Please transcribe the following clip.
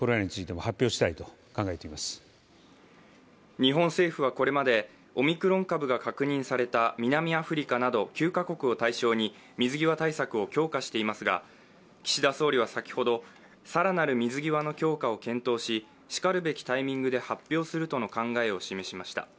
日本政府はこれまでオミクロン株が確認された南アフリカなど９カ国を対象に水際対策を強化していますが岸田総理は先ほど更なる水際の強化を検討し、しかるべきタイミングで発表するとの考えを示しました。